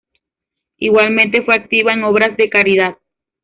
Igualmente, fue activa en obras de caridad.